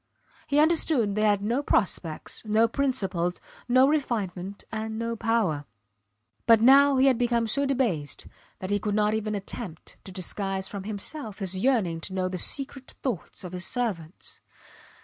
He understood they had no prospects, no principles no refinement and no power. But now he had become so debased that he could not even attempt to disguise from himself his yearning to know the secret thoughts of his servants.